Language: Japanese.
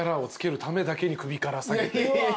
首から下げて。